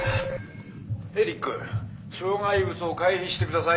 「エリック障害物を回避して下さい」。